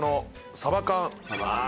「サバ缶？」